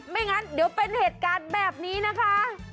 งั้นเดี๋ยวเป็นเหตุการณ์แบบนี้นะคะ